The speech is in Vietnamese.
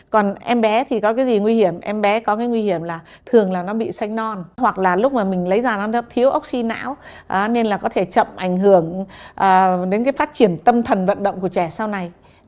còn em bé thì có cái gì nguy hiểm em bé có cái nguy hiểm là thường là nó bị sanh non hoặc là lúc mà mình lấy ra làm sao thiếu oxy não nên là có thể chậm ảnh hưởng đến cái phát triển tâm thần vận động của trẻ sau này